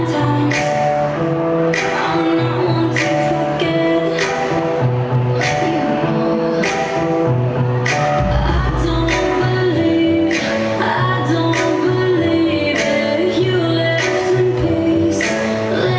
สรุปแล้วค่ะทุกอย่างเครื่องขึ้นอยู่ในการพูดคุยกันอยู่แล้วค่ะ